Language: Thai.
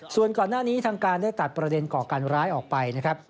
ส่วนก่อนหน้านี้ทางการได้ตัดประเด็นก่อการร้ายออกไปนะครับ